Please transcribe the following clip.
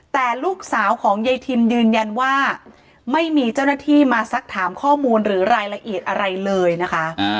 แต่ลูกสาวของยายทิมยืนยันว่าไม่มีเจ้าหน้าที่มาสักถามข้อมูลหรือรายละเอียดอะไรเลยนะคะ